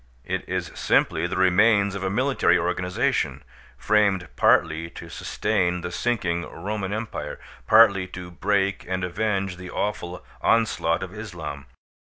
It is simply the remains of a military organization, framed partly to sustain the sinking Roman Empire, partly to break and avenge the awful onslaught of Islam.